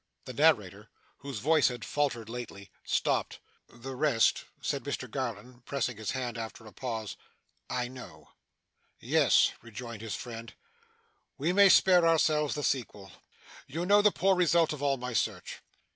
The narrator, whose voice had faltered lately, stopped. 'The rest,' said Mr Garland, pressing his hand after a pause, 'I know.' 'Yes,' rejoined his friend, 'we may spare ourselves the sequel. You know the poor result of all my search.